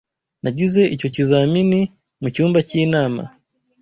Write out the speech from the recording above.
Nagize icyo kizamini mucyumba cy'inama.